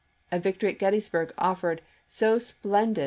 A victory at Gettysburg offered so splendid Chap.